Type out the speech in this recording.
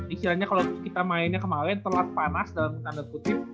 istilahnya kalau kita mainnya kemarin telat panas dalam tanda kutip